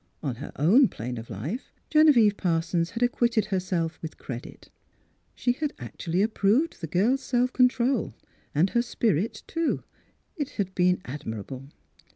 On her own plane of life, Genevieve Par sons had acquitted herself with credit. She had actually approved the girl's self control, and her spirit, too ; it had been admirable.